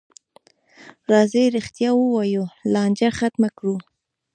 راځئ رښتیا ووایو، لانجه ختمه کړو.